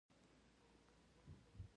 بزګان د افغانانو د ګټورتیا برخه ده.